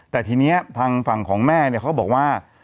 แต่ทีนี้ทางฝั่งของแม่เนี่ยเขาบอกว่า